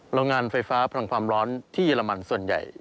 โรงงานไฟฟ้าพลังความร้อนที่เยอรมันส่วนใหญ่